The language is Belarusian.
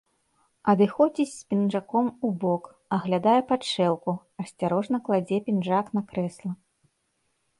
Адыходзіць з пінжаком убок, аглядае падшэўку, асцярожна кладзе пінжак на крэсла.